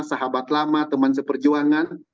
sahabat lama teman seperjuangan